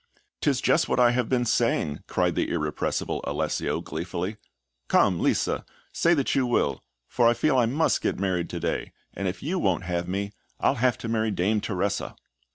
"'Tis just what I have been saying!" cried the irrepressible Alessio, gleefully. "Come, Lisa, say that you will, for I feel I must get married to day, and if you won't have me, I'll have to marry Dame Teresa!"